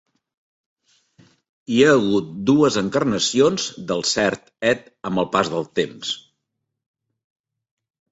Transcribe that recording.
Hi ha hagut dues encarnacions del Cert Ed amb el pas del temps.